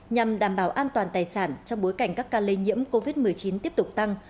nhằm đảm bảo an toàn tài sản trong bối cảnh các ca lây nhiễm covid một mươi chín tiếp tục tăng